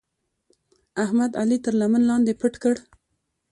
احمد؛ علي تر لمن لاندې پټ کړ.